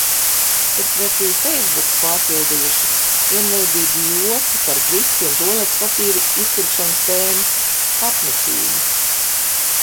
Turpretī feisbuku pārpildījuši vienveidīgi joki par griķu un tualetes papīra izpirkšanas tēmu. Apnicīgi.